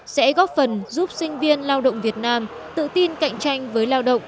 sẽ góp phần giúp sinh viên lao động việt nam tự tin cạnh tranh với lao động